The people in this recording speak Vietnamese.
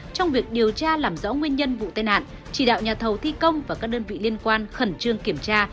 trong việc điều tra làm rõ nguyên nhân vụ tai nạn chỉ đạo nhà thầu thi công và các đơn vị liên quan khẩn trương kiểm tra